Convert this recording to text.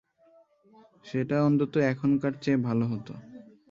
সেটা অন্তত এখানকার চেয়ে ভালো হতো।